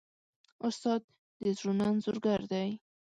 استاد د زړونو انځورګر دی.